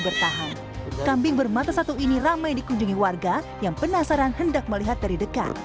bertahan kambing bermata satu ini ramai dikunjungi warga yang penasaran hendak melihat dari dekat